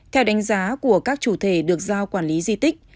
theo đánh giá của các chủ thể được giao quản lý di tích